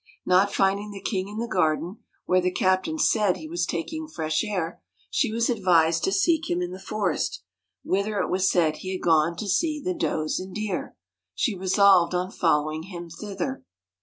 Not finding the king in the garden, where the cap tain said he was taking fresh air, she was advised to seek him in the forest, whither it was said he had gone to see the does and deer. She resolved on following him thither.